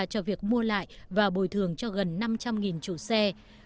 cho việc mua lại và bồi thường cho gần năm trăm linh chủ xe